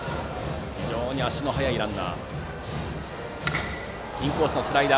非常に足の速いランナー。